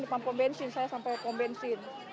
depan pombensin saya sampai pombensin